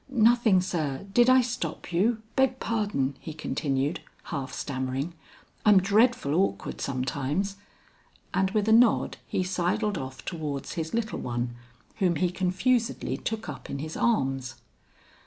"Nothing sir; did I stop you? Beg pardon," he continued, half stammering, "I'm dreadful awkward sometimes." And with a nod he sidled off towards his little one whom he confusedly took up in his arms.